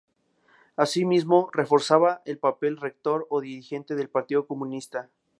Asimismo, "reforzaba" el papel rector o dirigente del Partido Comunista.